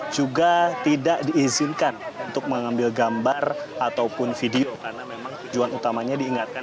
juga tidak diizinkan untuk mengambil gambar ataupun video karena memang tujuan utamanya diingatkan